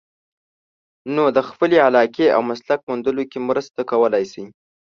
نو د خپلې علاقې او مسلک موندلو کې مو مرسته کولای شي.